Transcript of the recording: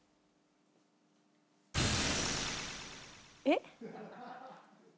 えっ？